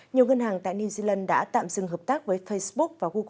nhiều ngân hàng tại new zealand đã tạm dừng hợp tác với facebook và google